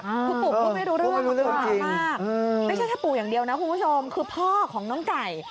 คือปู่พูดไม่รู้เรื่องรุนแรงมากไม่ใช่แค่ปู่อย่างเดียวนะคุณผู้ชมคือพ่อของน้องไก่